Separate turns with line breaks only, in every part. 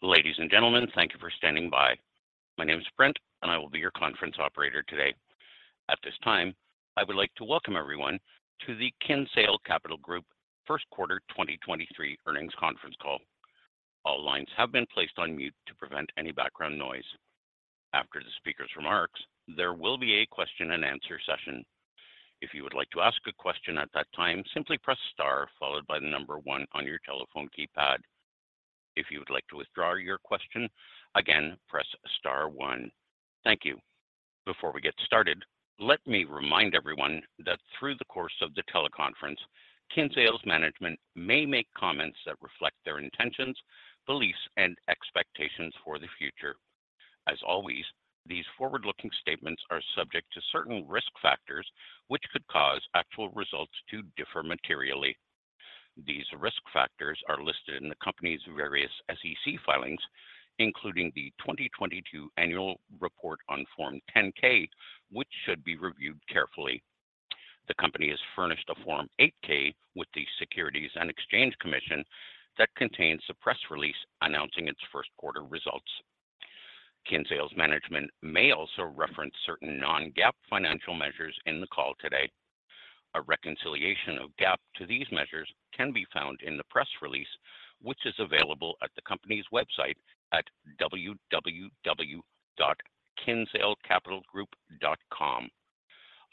Ladies and gentlemen, thank you for standing by. My name is Brent, and I will be your conference operator today. At this time, I would like to welcome everyone to the Kinsale Capital Group First Quarter 2023 Earnings Conference Call. All lines have been placed on mute to prevent any background noise. After the speaker's remarks, there will be a question-and-answer session. If you would like to ask a question at that time, simply press star followed by one on your telephone keypad. If you would like to withdraw your question, again, press star one. Thank you. Before we get started, let me remind everyone that through the course of the teleconference, Kinsale's management may make comments that reflect their intentions, beliefs, and expectations for the future. As always, these forward-looking statements are subject to certain risk factors, which could cause actual results to differ materially. These risk factors are listed in the company's various SEC filings, including the 2022 annual report on Form 10-K, which should be reviewed carefully. The company has furnished a Form 8-K with the Securities and Exchange Commission that contains the press release announcing its first quarter results. Kinsale's management may also reference certain non-GAAP financial measures in the call today. A reconciliation of GAAP to these measures can be found in the press release, which is available at the company's website at www.kinsalecapitalgroup.com.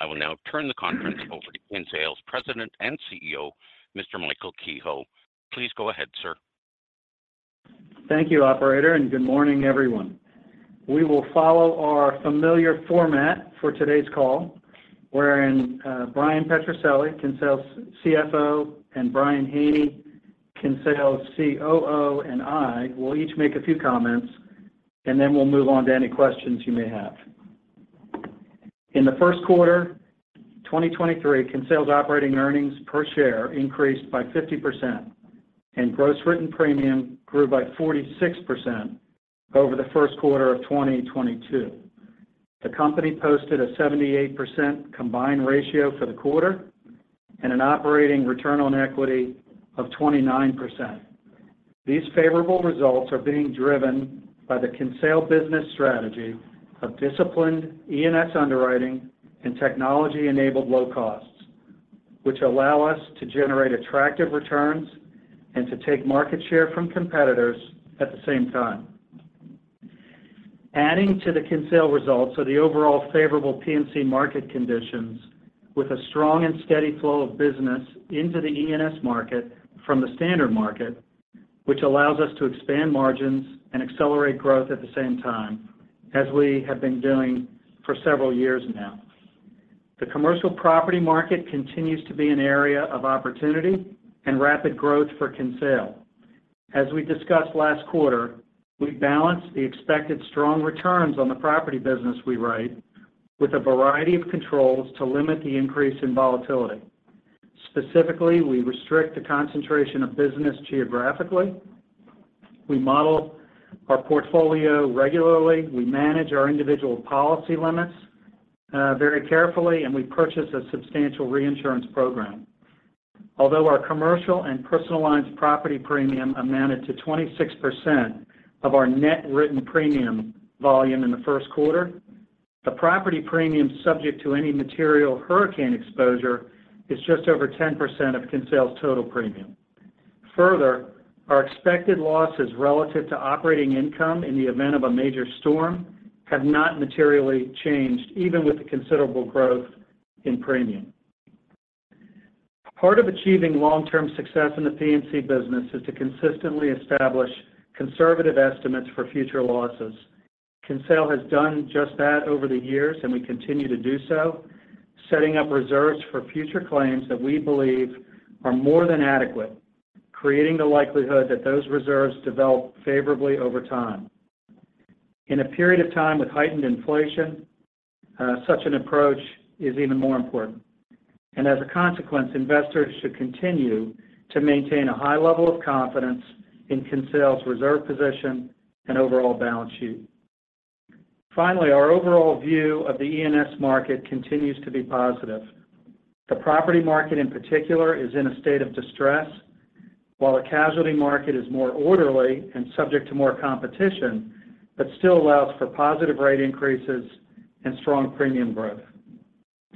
I will now turn the conference over to Kinsale's President and CEO, Mr. Michael Kehoe. Please go ahead, sir.
Thank you, operator, and good morning, everyone. We will follow our familiar format for today's call, wherein, Bryan Petrucelli, Kinsale's CFO, and Brian Haney, Kinsale's COO, and I will each make a few comments, and then we'll move on to any questions you may have. In the first quarter 2023, Kinsale's operating earnings per share increased by 50% and gross written premium grew by 46% over the first quarter of 2022. The company posted a 78% combined ratio for the quarter and an operating return on equity of 29%. These favorable results are being driven by the Kinsale business strategy of disciplined E&S underwriting and technology-enabled low costs, which allow us to generate attractive returns and to take market share from competitors at the same time. Adding to the Kinsale results are the overall favorable P&C market conditions with a strong and steady flow of business into the E&S market from the standard market, which allows us to expand margins and accelerate growth at the same time as we have been doing for several years now. The commercial property market continues to be an area of opportunity and rapid growth for Kinsale. As we discussed last quarter, we balanced the expected strong returns on the property business we write with a variety of controls to limit the increase in volatility. Specifically, we restrict the concentration of business geographically, we model our portfolio regularly, we manage our individual policy limits, very carefully, and we purchase a substantial reinsurance program. Although our commercial and personal lines property premium amounted to 26% of our net written premium volume in the first quarter, the property premium subject to any material hurricane exposure is just over 10% of Kinsale's total premium. Further, our expected losses relative to operating income in the event of a major storm have not materially changed, even with the considerable growth in premium. Part of achieving long-term success in the P&C business is to consistently establish conservative estimates for future losses. Kinsale has done just that over the years, and we continue to do so, setting up reserves for future claims that we believe are more than adequate, creating the likelihood that those reserves develop favorably over time. In a period of time with heightened inflation, such an approach is even more important. As a consequence, investors should continue to maintain a high level of confidence in Kinsale's reserve position and overall balance sheet. Finally, our overall view of the E&S market continues to be positive. The property market in particular is in a state of distress, while the casualty market is more orderly and subject to more competition, but still allows for positive rate increases and strong premium growth.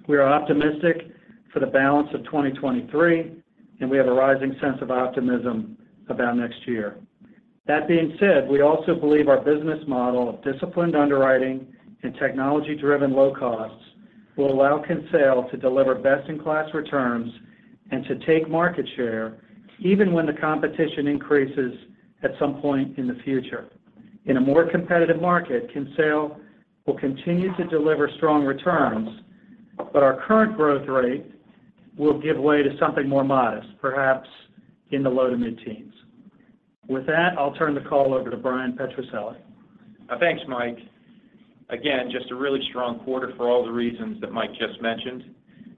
We are optimistic for the balance of 2023, and we have a rising sense of optimism about next year. That being said, we also believe our business model of disciplined underwriting and technology-driven low costs will allow Kinsale to deliver best-in-class returns and to take market share even when the competition increases at some point in the future. In a more competitive market, Kinsale will continue to deliver strong returns, but our current growth rate will give way to something more modest, perhaps in the low to mid-teens. With that, I'll turn the call over to Bryan Petrucelli.
Thanks, Mike. Again, just a really strong quarter for all the reasons that Mike just mentioned.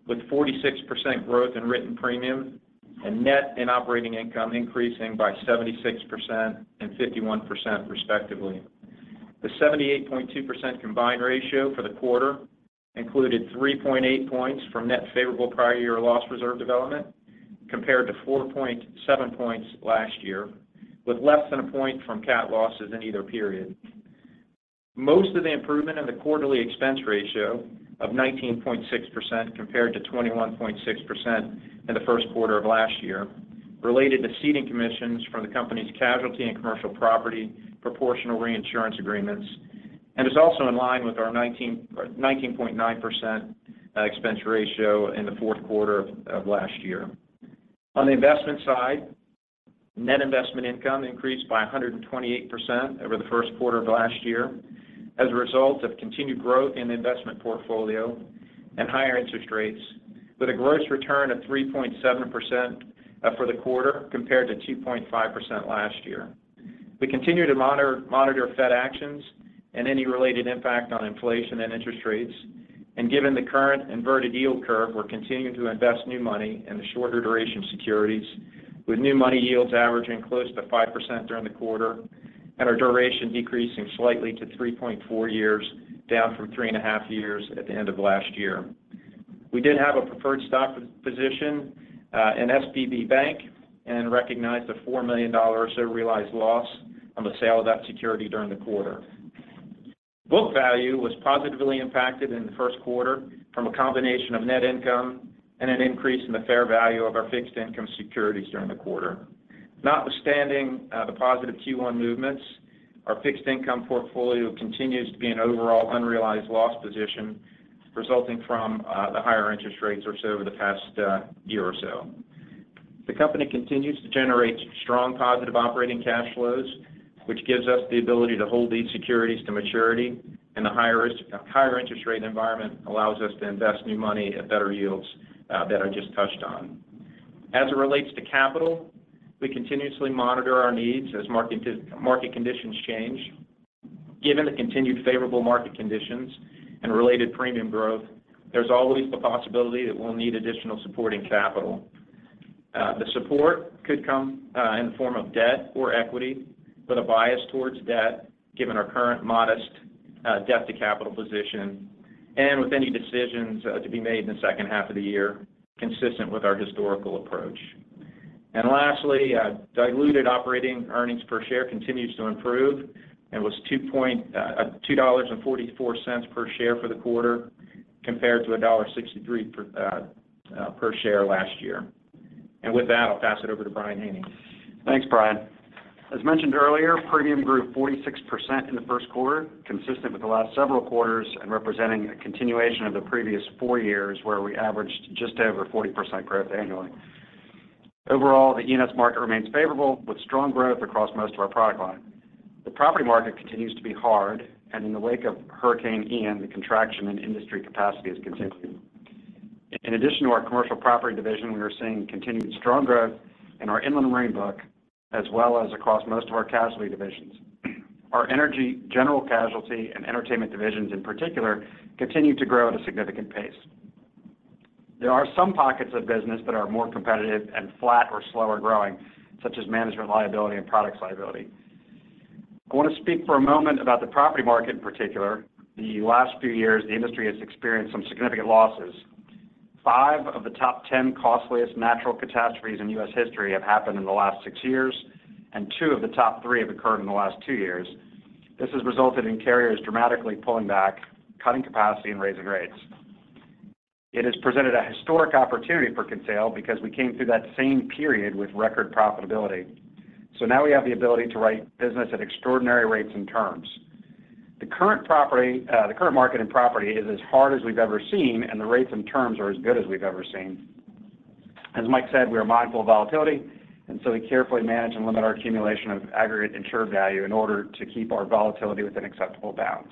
With 46% growth in written premium and net and operating income increasing by 76% and 51% respectively. The 78.2% combined ratio for the quarter included 3.8 points from net favorable prior year loss reserve development compared to 4.7 points last year, with less than one point from CAT losses in either period. Most of the improvement in the quarterly expense ratio of 19.6% compared to 21.6% in the first quarter of last year related to ceding commissions from the company's casualty and commercial property proportional reinsurance agreements, is also in line with our 19.9% expense ratio in the fourth quarter of last year. On the investment side, net investment income increased by 128% over the first quarter of last year as a result of continued growth in the investment portfolio and higher interest rates, with a gross return of 3.7% for the quarter compared to 2.5% last year. We continue to monitor Fed actions and any related impact on inflation and interest rates. Given the current inverted yield curve, we're continuing to invest new money in the shorter duration securities, with new money yields averaging close to 5% during the quarter. Our duration decreasing slightly to 3.4 years, down from three and a half years at the end of last year. We did have a preferred stock position in SVB Bank and recognized a $4 million or so realized loss on the sale of that security during the quarter. Book value was positively impacted in the first quarter from a combination of net income and an increase in the fair value of our fixed income securities during the quarter. Notwithstanding the positive Q1 movements, our fixed income portfolio continues to be an overall unrealized loss position resulting from the higher interest rates or so over the past year or so. The company continues to generate strong positive operating cash flows, which gives us the ability to hold these securities to maturity, and the higher interest rate environment allows us to invest new money at better yields that I just touched on. As it relates to capital, we continuously monitor our needs as market conditions change. Given the continued favorable market conditions and related premium growth, there's always the possibility that we'll need additional supporting capital. The support could come in the form of debt or equity, with a bias towards debt, given our current modest debt to capital position, and with any decisions to be made in the second half of the year consistent with our historical approach. Lastly, diluted operating earnings per share continues to improve and was $2.44 per share for the quarter, compared to $1.63 per share last year. With that, I'll pass it over to Brian Haney. Thanks, Brian.
As mentioned earlier, premium grew 46% in the first quarter, consistent with the last several quarters and representing a continuation of the previous four years where we averaged just over 40% growth annually. Overall, the U.S. market remains favorable with strong growth across most of our product line. The property market continues to be hard, and in the wake of Hurricane Ian, the contraction in industry capacity is continuing. In addition to our commercial property division, we are seeing continued strong growth in our inland marine book, as well as across most of our casualty divisions. Our energy, general casualty, and entertainment divisions in particular continue to grow at a significant pace. There are some pockets of business that are more competitive and flat or slower growing, such as management liability and product liability. I want to speak for a moment about the property market in particular. The last few years, the industry has experienced some significant losses. five of the top 10 costliest natural catastrophes in U.S. history have happened in the last six years, and two of the top three have occurred in the last two years. This has resulted in carriers dramatically pulling back, cutting capacity, and raising rates. It has presented a historic opportunity for Kinsale because we came through that same period with record profitability. Now we have the ability to write business at extraordinary rates and terms. The current market in property is as hard as we've ever seen, and the rates and terms are as good as we've ever seen. As Mike said, we are mindful of volatility, and so we carefully manage and limit our accumulation of aggregate insured value in order to keep our volatility within acceptable bounds.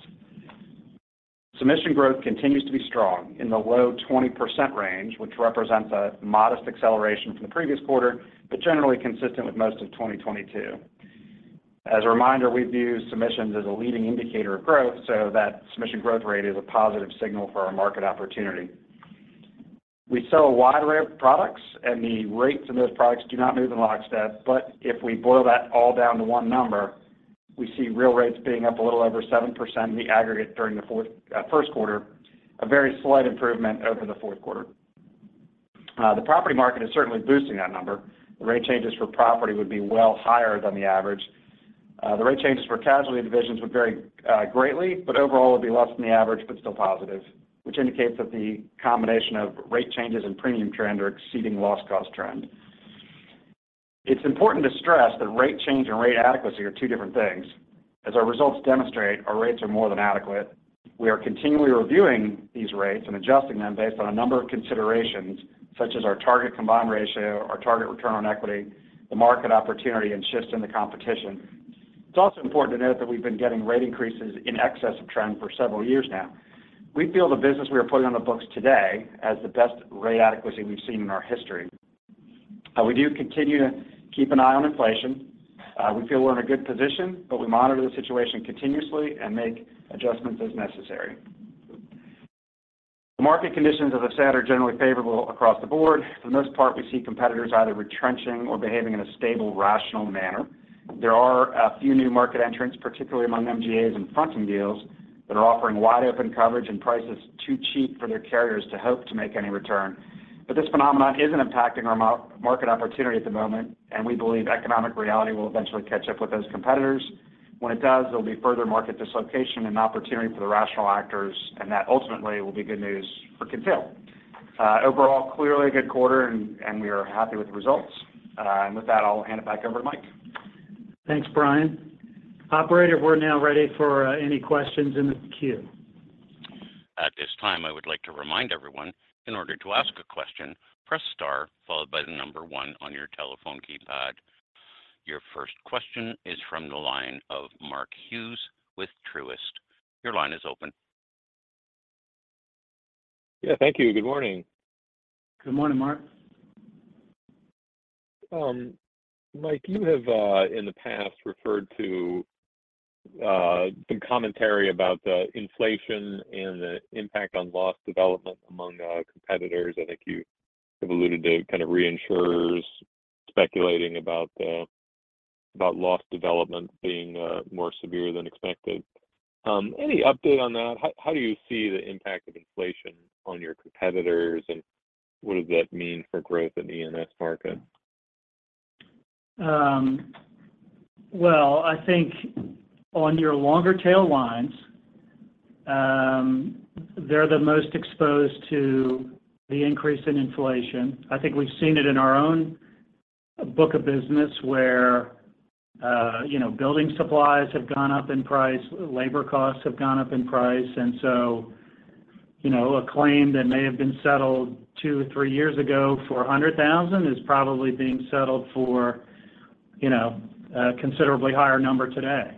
Submission growth continues to be strong in the low 20% range, which represents a modest acceleration from the previous quarter, generally consistent with most of 2022. As a reminder, we view submissions as a leading indicator of growth, that submission growth rate is a positive signal for our market opportunity. We sell a wide array of products, the rates in those products do not move in lockstep. If we boil that all down to one number, we see real rates being up a little over 7% in the first quarter, a very slight improvement over the fourth quarter. The property market is certainly boosting that number. The rate changes for property would be well higher than the average. The rate changes for casualty divisions would vary greatly, but overall it'd be less than the average, but still positive, which indicates that the combination of rate changes and premium trend are exceeding loss cost trend. It's important to stress that rate change and rate adequacy are two different things. As our results demonstrate, our rates are more than adequate. We are continually reviewing these rates and adjusting them based on a number of considerations, such as our target combined ratio, our target operating return on equity, the market opportunity, and shifts in the competition. It's also important to note that we've been getting rate increases in excess of trend for several years now. We feel the business we are putting on the books today has the best rate adequacy we've seen in our history. We do continue to keep an eye on inflation. We feel we're in a good position, but we monitor the situation continuously and make adjustments as necessary. The market conditions, as I said, are generally favorable across the board. For the most part, we see competitors either retrenching or behaving in a stable, rational manner. There are a few new market entrants, particularly among MGAs and fronting deals, that are offering wide open coverage and prices too cheap for their carriers to hope to make any return. This phenomenon isn't impacting our market opportunity at the moment, and we believe economic reality will eventually catch up with those competitors. When it does, there'll be further market dislocation and opportunity for the rational actors, and that ultimately will be good news for Kinsale. Overall, clearly a good quarter and we are happy with the results. With that, I'll hand it back over to Mike.
Thanks, Brian. Operator, we're now ready for any questions in the queue.
At this time, I would like to remind everyone, in order to ask a question, press star followed by the number one on your telephone keypad. Your first question is from the line of Mark Hughes with Truist. Your line is open.
Yeah, thank you. Good morning.
Good morning, Mark.
Mike, you have in the past referred to some commentary about the inflation and the impact on loss development among competitors. I think you have alluded to kind of reinsurers speculating about loss development being more severe than expected. Any update on that? How do you see the impact of inflation on your competitors, and what does that mean for growth in the E&S market?
Well, I think on your longer tail lines, they're the most exposed to the increase in inflation. I think we've seen it in our own book of business where, you know, building supplies have gone up in price, labor costs have gone up in price. You know, a claim that may have been settled two-three years ago for $100,000 is probably being settled for, you know, a considerably higher number today.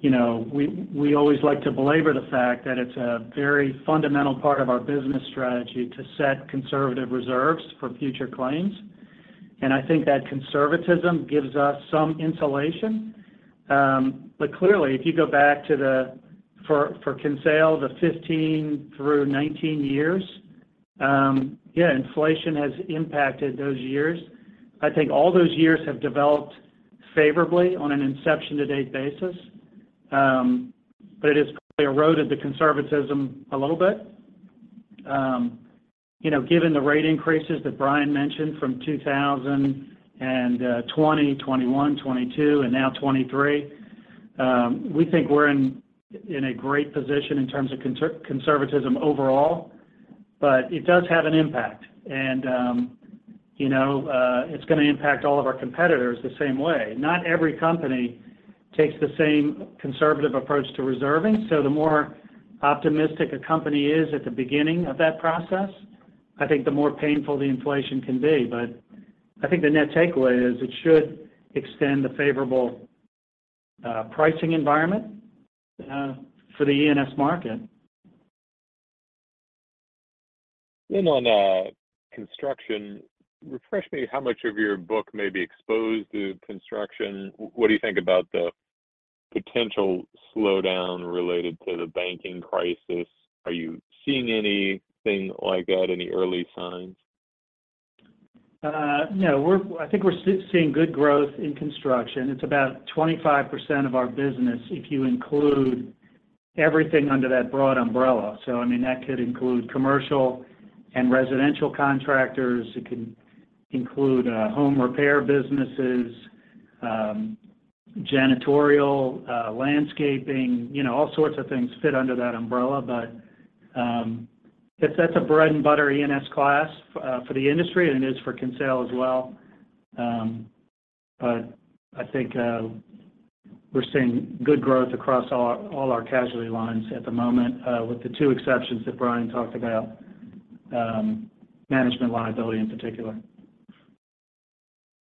You know, we always like to belabor the fact that it's a very fundamental part of our business strategy to set conservative reserves for future claims. I think that conservatism gives us some insulation. Clearly, if you go back to for Kinsale, the 2015-2019 years, inflation has impacted those years. I think all those years have developed favorably on an inception to date basis, but it has clearly eroded the conservatism a little bit. You know, given the rate increases that Brian mentioned from 2020, 2021, 2022, and now 2023, we think we're in a great position in terms of conservatism overall, but it does have an impact. It's gonna impact all of our competitors the same way. Not every company takes the same conservative approach to reserving. So the more optimistic a company is at the beginning of that process, I think the more painful the inflation can be. I think the net takeaway is it should extend the favorable pricing environment for the E&S market.
On construction, refresh me how much of your book may be exposed to construction? What do you think about the potential slowdown related to the banking crisis? Are you seeing anything like that? Any early signs?
No. I think we're seeing good growth in construction. It's about 25% of our business if you include everything under that broad umbrella. I mean, that could include commercial and residential contractors. It can include, home repair businesses, janitorial, landscaping. You know, all sorts of things fit under that umbrella. that's a bread and butter E&S class for the industry, and it is for Kinsale as well. I think we're seeing good growth across all our casualty lines at the moment, with the two exceptions that Brian talked about, management liability in particular.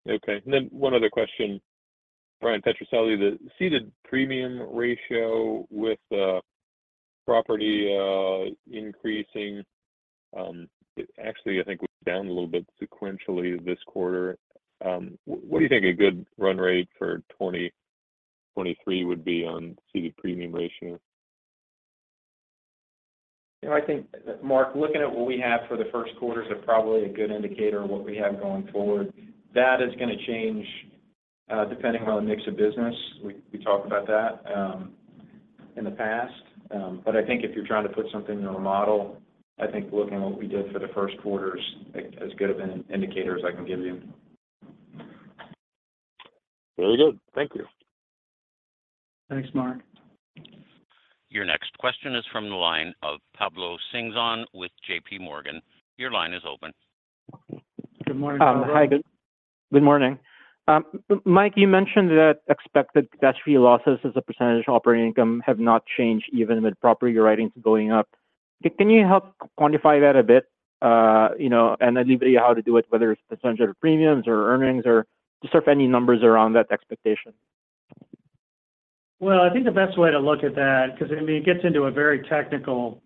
Okay. One other question. Bryan Petrucelli. The ceded premium ratio with property increasing, actually, I think was down a little bit sequentially this quarter. What do you think a good run rate for 2023 would be on ceded premium ratio?
You know, I think, Mark, looking at what we have for the first quarter is a probably a good indicator of what we have going forward. That is gonna change, depending on the mix of business. We talked about that in the past. I think if you're trying to put something on a model, I think looking at what we did for the first quarter is as good of an indicator as I can give you.
Very good. Thank you.
Thanks, Mark.
Your next question is from the line of Pablo Singzon with JP Morgan. Your line is open.
Good morning, Pablo.
Hi. Good morning. Mike, you mentioned that expected catastrophe losses as a percentage of operating income have not changed even with property writings going up. Can you help quantify that a bit, you know, and ideally how to do it, whether it's percentage of premiums or earnings or just if any numbers around that expectation?
I think the best way to look at that, because, I mean, it gets into a very technical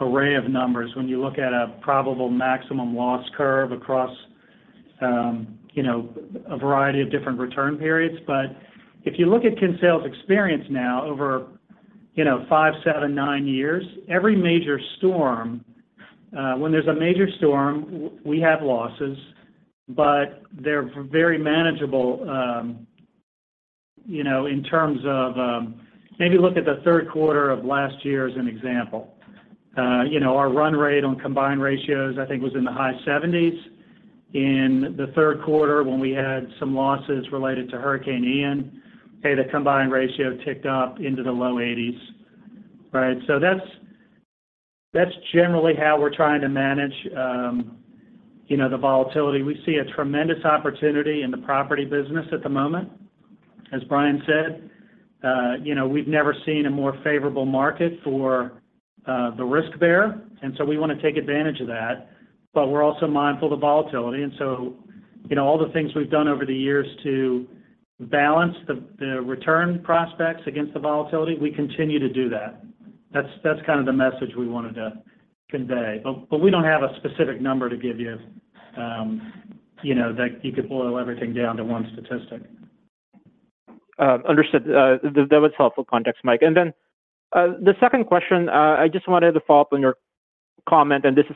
array of numbers when you look at a probable maximum loss curve across a variety of different return periods. If you look at Kinsale's experience now over, you know, five, seven, nine years, every major storm, when there's a major storm, we have losses, but they're very manageable, you know, in terms of... Maybe look at the third quarter of last year as an example. You know, our run rate on combined ratios, I think was in the high 70s. In the third quarter when we had some losses related to Hurricane Ian, okay, the combined ratio ticked up into the low 80s, right? That's generally how we're trying to manage, you know, the volatility. We see a tremendous opportunity in the property business at the moment. As Brian said, you know, we've never seen a more favorable market for the risk bearer, we want to take advantage of that, but we're also mindful of volatility. You know, all the things we've done over the years to balance the return prospects against the volatility, we continue to do that. That's kind of the message we wanted to convey. We don't have a specific number to give you know, that you could boil everything down to one statistic.
Understood. That was helpful context, Mike. The second question, I just wanted to follow up on your comment, and this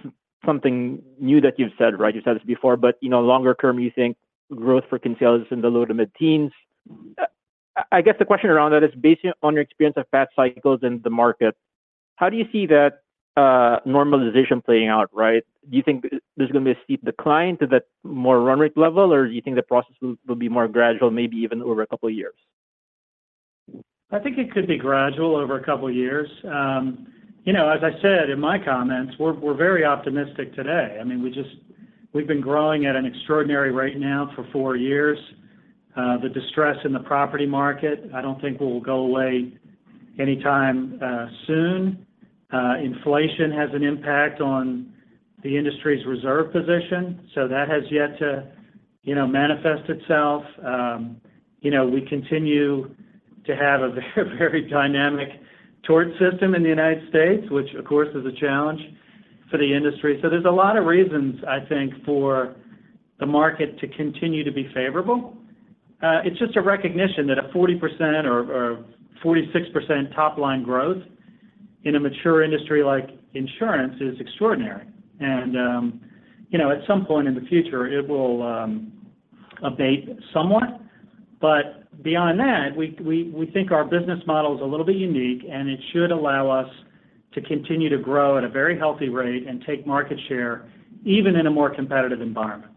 is something new that you've said, right? You've said this before, but, you know, longer term, you think growth for Kinsale is in the low to mid-teens. I guess the question around that is based on your experience of past cycles in the market, how do you see that normalization playing out, right? Do you think there's gonna be a steep decline to that more run rate level, or do you think the process will be more gradual, maybe even over a couple of years?
I think it could be gradual over a couple of years. You know, as I said in my comments, we're very optimistic today. I mean, we've been growing at an extraordinary rate now for four years. The distress in the property market, I don't think will go away anytime soon. Inflation has an impact on the industry's reserve position, that has yet to, you know, manifest itself. You know, we continue to have a very dynamic tort system in the United States, which of course is a challenge for the industry. There's a lot of reasons, I think, for the market to continue to be favorable. It's just a recognition that a 40% or a 46% top line growth in a mature industry like insurance is extraordinary. You know, at some point in the future, it will abate somewhat. Beyond that, we think our business model is a little bit unique, and it should allow us to continue to grow at a very healthy rate and take market share even in a more competitive environment.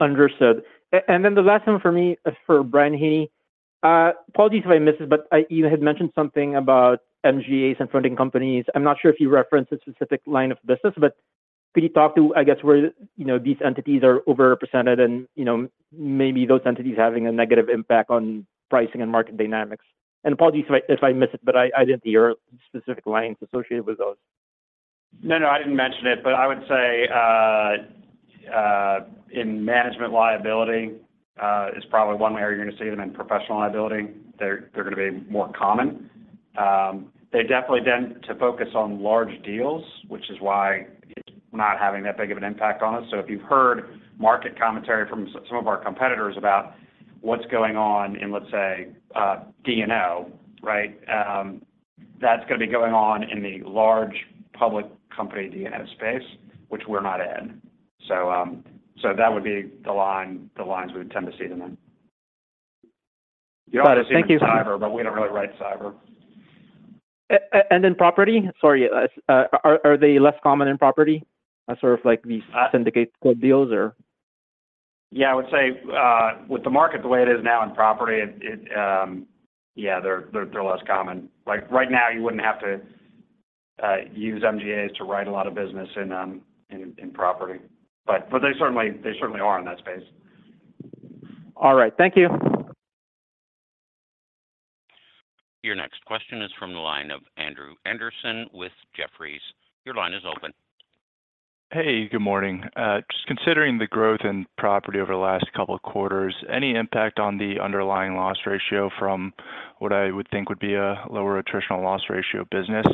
Understood. And then the last one for me is for Brian Haney. Apologies if I missed this, but you had mentioned something about MGAs and fronting companies. I'm not sure if you referenced a specific line of business, but could you talk to, I guess, where, you know, these entities are over-represented and, you know, maybe those entities having a negative impact on pricing and market dynamics. Apologies if I, if I missed it, but I didn't hear specific lines associated with those.
No, no, I didn't mention it, but I would say, in management liability, is probably one area you're going to see them. In professional liability, they're gonna be more common. They definitely tend to focus on large deals, which is why it's not having that big of an impact on us. If you've heard market commentary from some of our competitors about what's going on in, let's say, D&O, right? That's gonna be going on in the large public company D&O space, which we're not in. That would be the line, the lines we would tend to see them in.
Got it. Thank you.
The other seems cyber, but we don't really write cyber.
Then property? Sorry, are they less common in property? Sort of like these syndicate deals or?
I would say, with the market the way it is now in property, it. They're less common. Like right now, you wouldn't have to use MGAs to write a lot of business in property. They certainly are in that space.
All right. Thank you.
Your next question is from the line of Andrew Andersen with Jefferies. Your line is open.
Hey, good morning. Just considering the growth in property over the last couple of quarters, any impact on the underlying loss ratio from what I would think would be a lower attritional loss ratio business?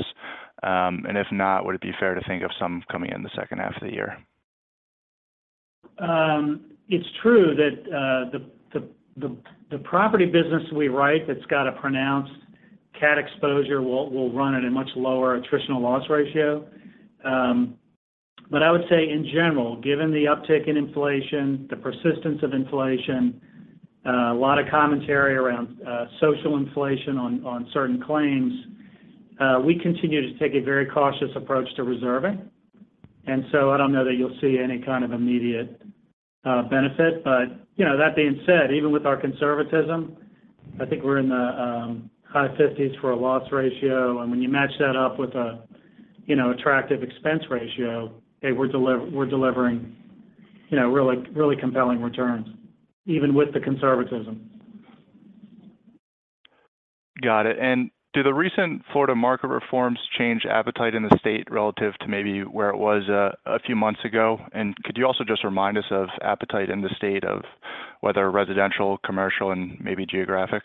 If not, would it be fair to think of some coming in the second half of the year?
It's true that the property business we write that's got a pronounced CAT exposure will run at a much lower attritional loss ratio. I would say in general, given the uptick in inflation, the persistence of inflation, a lot of commentary around social inflation on certain claims, we continue to take a very cautious approach to reserving. I don't know that you'll see any kind of immediate benefit. you know, that being said, even with our conservatism, I think we're in the high 50s for a loss ratio. When you match that up with a, you know, attractive expense ratio, hey, we're delivering, you know, really, really compelling returns, even with the conservatism.
Got it. Do the recent Florida market reforms change appetite in the state relative to maybe where it was, a few months ago? Could you also just remind us of appetite in the state of whether residential, commercial, and maybe geographic?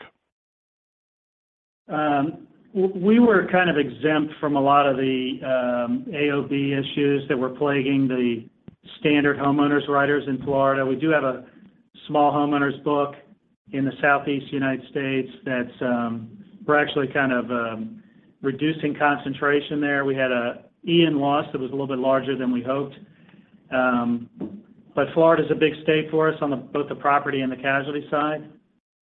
We were kind of exempt from a lot of the AOB issues that were plaguing the standard homeowners writers in Florida. We do have a small homeowners book in the Southeast United States that we're actually kind of reducing concentration there. We had a Ian loss that was a little bit larger than we hoped. Florida's a big state for us on both the property and the casualty side.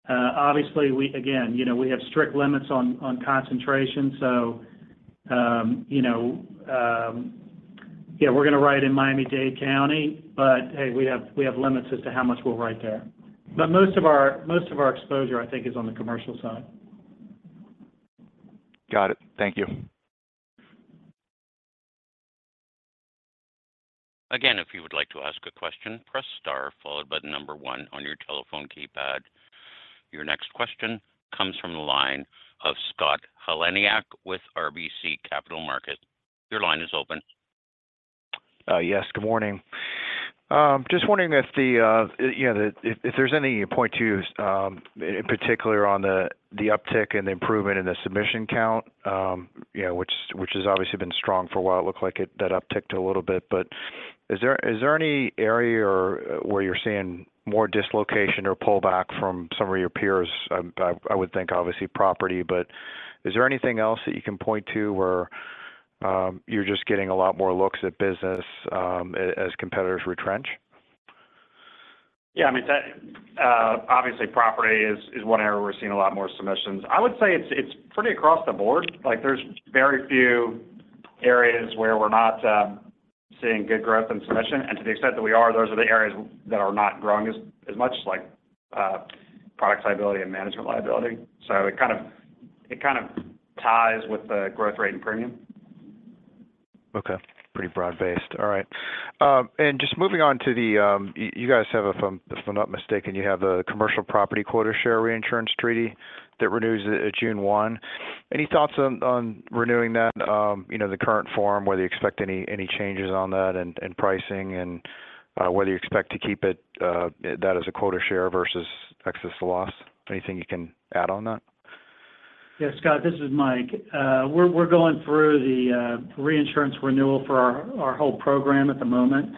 Obviously, again, you know, we have strict limits on concentration, so, you know, yeah, we're gonna write in Miami-Dade County, but, hey, we have limits as to how much we'll write there. Most of our exposure, I think, is on the commercial side.
Got it. Thank you.
Again, if you would like to ask a question, press star followed by one on your telephone keypad. Your next question comes from the line of Scott Heleniak with RBC Capital Markets. Your line is open.
Yes. Good morning. Just wondering if, you know, if there's any point to use, in particular on the uptick and the improvement in the submission count, you know, which has obviously been strong for a while. It looked like it, that upticked a little bit. Is there any area or where you're seeing more dislocation or pullback from some of your peers? I would think obviously property, but is there anything else that you can point to where you're just getting a lot more looks at business, as competitors retrench?
Yeah. I mean, that, obviously property is one area we're seeing a lot more submissions. I would say it's pretty across the board. Like, there's very few areas where we're not seeing good growth and submission. To the extent that we are, those are the areas that are not growing as much, like, product liability and management liability. It kind of ties with the growth rate and premium.
Okay. Pretty broad-based. All right. Just moving on to the, you guys have a, if I'm, if I'm not mistaken, you have a commercial property quota share reinsurance treaty that renews at June 1. Any thoughts on renewing that, you know, the current form? Whether you expect any changes on that and pricing? Whether you expect to keep it, that as a quota share versus excess loss? Anything you can add on that?
Yeah, Scott, this is Mike. We're going through the reinsurance renewal for our whole program at the moment.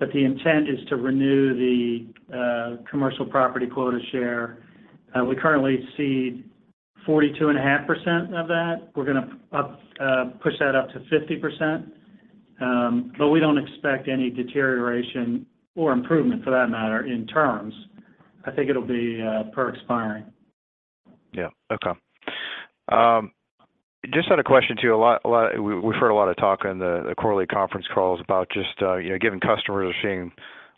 The intent is to renew the commercial property quota share. We currently cede 42.5% of that. We're gonna push that up to 50%. We don't expect any deterioration or improvement for that matter in terms. I think it'll be per expiring.
Yeah. Okay. Just had a question too. We've heard a lot of talk on the quarterly conference calls about just, you know, giving customers are seeing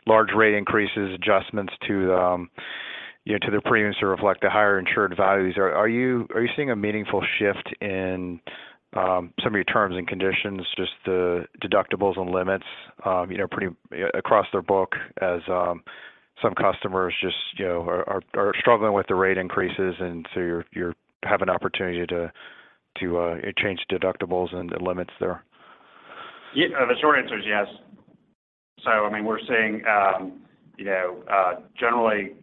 large rate increases, adjustments to the, you know, to the premiums to reflect the higher insured values. Are you seeing a meaningful shift in some of your terms and conditions, just the deductibles and limits, you know, pretty across the book as some customers just, you know, are struggling with the rate increases and so you have an opportunity to change deductibles and the limits there?
Yeah. The short answer is yes. I mean, we're seeing, you know, generally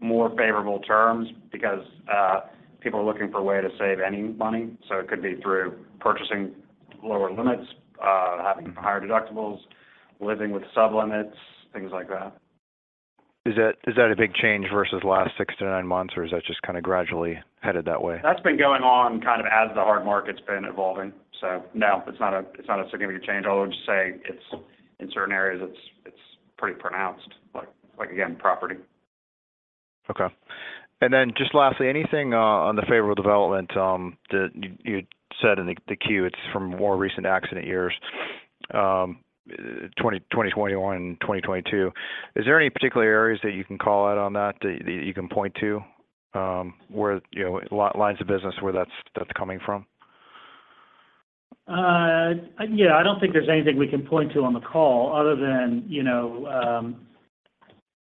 more favorable terms because people are looking for a way to save any money. It could be through purchasing lower limits, having higher deductibles, living with sublimits, things like that.
Is that a big change versus last six-nine months, or is that just kind of gradually headed that way?
That's been going on kind of as the hard market's been evolving. No, it's not a, it's not a significant change, although I would just say it's, in certain areas it's pretty pronounced, like again, property.
Okay. Just lastly, anything on the favorable development that you said in the Q, it's from more recent accident years, 2021, 2022. Is there any particular areas that you can call out on that you can point to, where, you know, lines of business where that's coming from?
Yeah, I don't think there's anything we can point to on the call other than, you know,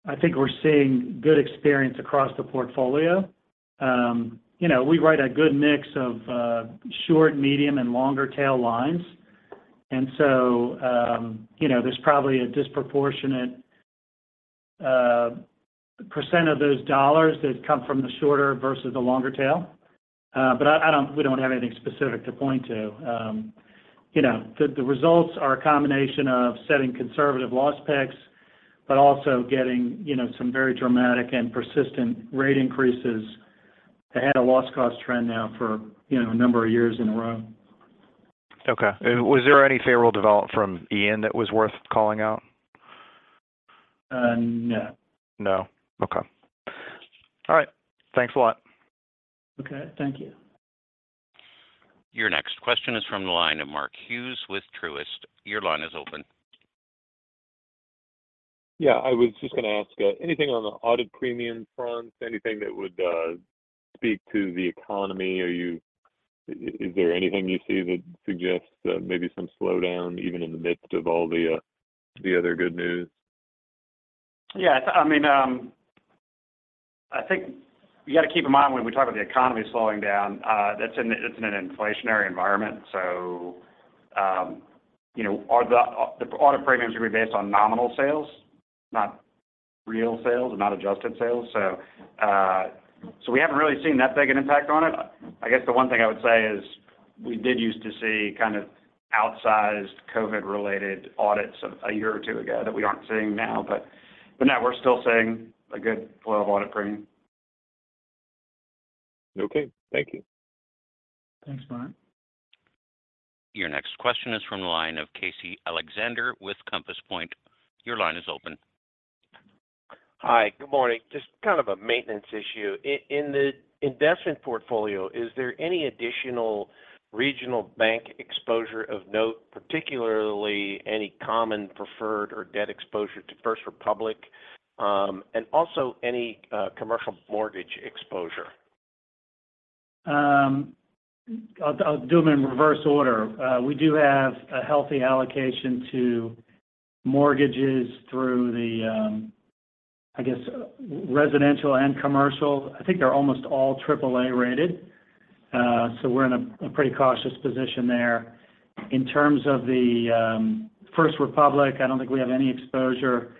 I think we're seeing good experience across the portfolio. You know, we write a good mix of short, medium, and longer tail lines. There's probably a disproportionate percentage of those dollars that come from the shorter versus the longer tail. We don't have anything specific to point to. You know, the results are a combination of setting conservative loss specs, but also getting, you know, some very dramatic and persistent rate increases ahead of loss cost trend now for, you know, a number of years in a row.
Was there any favorable development from Ian that was worth calling out?
No.
No? Okay. All right. Thanks a lot.
Okay. Thank you.
Your next question is from the line of Mark Hughes with Truist. Your line is open.
Yeah. I was just gonna ask, anything on the audit premium front? Anything that would speak to the economy? Is there anything you see that suggests that maybe some slowdown even in the midst of all the other good news?
Yeah. I mean, I think you gotta keep in mind when we talk about the economy slowing down, that's in, it's in an inflationary environment. You know, are the audited premiums are gonna be based on nominal sales, not- Real sales, not adjusted sales. We haven't really seen that big an impact on it. I guess the one thing I would say is we did use to see kind of outsized COVID-related audits a year or two ago that we aren't seeing now. No, we're still seeing a good flow of audit premium.
Okay. Thank you.
Thanks, Brian.
Your next question is from the line of Casey Alexander with Compass Point. Your line is open.
Hi. Good morning. Just kind of a maintenance issue. In the investment portfolio, is there any additional regional bank exposure of note, particularly any common preferred or debt exposure to First Republic? And also any commercial mortgage exposure?
I'll do them in reverse order. We do have a healthy allocation to mortgages through the, I guess, residential and commercial. I think they're almost all triple A rated. We're in a pretty cautious position there. In terms of the First Republic, I don't think we have any exposure.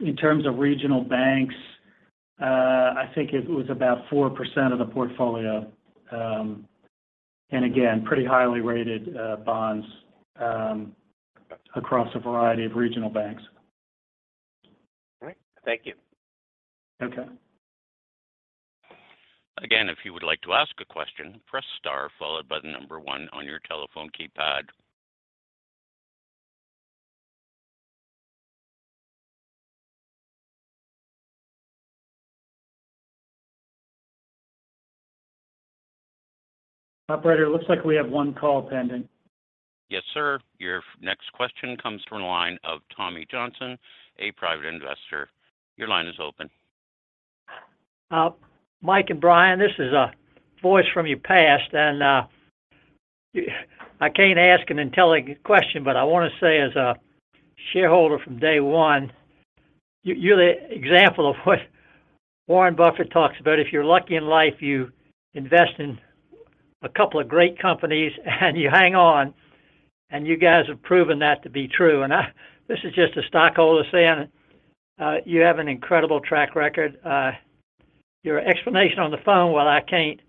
In terms of regional banks, I think it was about 4% of the portfolio. Again, pretty highly rated bonds across a variety of regional banks.
All right. Thank you.
Okay.
Again, if you would like to ask a question, press star followed by one on your telephone keypad.
Operator, looks like we have one call pending.
Yes, sir. Your next question comes from the line of Tommy Johnson, a private investor. Your line is open.
Thank you Brian, this is a voice from your past. I can't ask an intelligent question, but I want to say as a shareholder from day one, you're the example of what Warren Buffett talks about. If you're lucky in life, you invest in a couple of great companies, and you hang on. You guys have proven that to be true. This is just a stockholder saying, you have an incredible track record. Your explanation on the phone, while I can't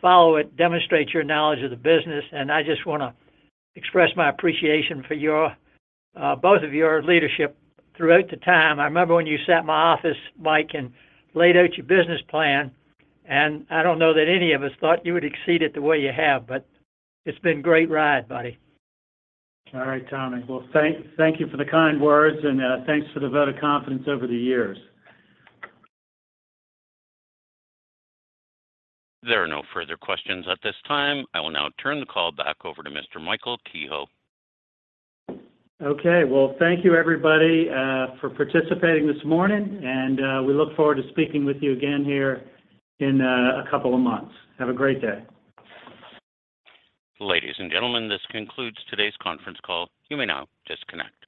follow it, demonstrates your knowledge of the business. I just want to express my appreciation for both of your leadership throughout the time I remember when you sat in my office, Mike, and laid out your business plan, and I don't know that any of us thought you would exceed it the way you have, but it's been a great ride, buddy.
All right, Tommy. Well, thank you for the kind words and thanks for the vote of confidence over the years.
There are no further questions at this time. I will now turn the call back over to Mr. Michael Kehoe.
Okay. Well, thank you, everybody, for participating this morning, and we look forward to speaking with you again here in a couple of months. Have a great day.
Ladies and gentlemen, this concludes today's conference call. You may now disconnect.